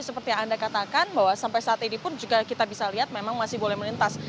seperti yang anda katakan bahwa sampai saat ini pun juga kita bisa lihat memang masih boleh melintas